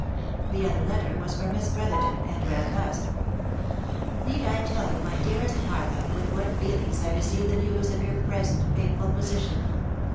The other letter was from Miss Brotherton, and ran thus :" Need I tell you, my dearest Martha, with what feelings I received the news of your present painful position